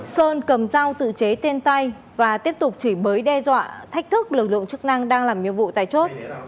sơn cầm dao tự chế tiên tay và tiếp tục chỉ bới đe dọa thách thức lực lượng chức năng đang làm nhiệm vụ tại chốt